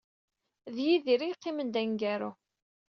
D Yidir ay yeqqimen d aneggaru.